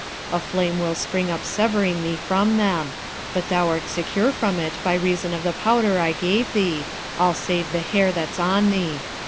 A flame will spring up severing thee from them; but thou'rt secure from it by reason of the powder I gave thee, all save the hair that's on thee.